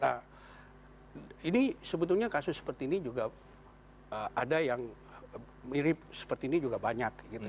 nah ini sebetulnya kasus seperti ini juga ada yang mirip seperti ini juga banyak gitu